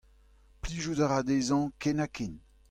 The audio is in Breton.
Plijout a ra dezhañ ken-ha-ken.